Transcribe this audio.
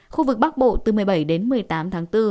khu vực bắc bộ từ một mươi bảy đến một mươi tám tháng bốn